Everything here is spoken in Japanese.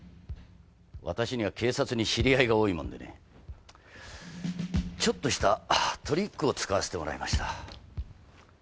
わたしには警察に知り合いが多いもんでねちょっとしたトリックを使わせてもらいました。